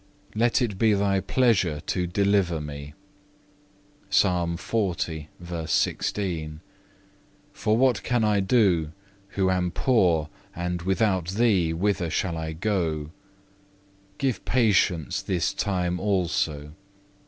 Let it be Thy pleasure to deliver me;(2) for what can I do who am poor, and without Thee whither shall I go? Give patience this time also.